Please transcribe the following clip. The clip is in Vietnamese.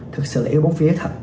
thực sự là yêu bóng vía thật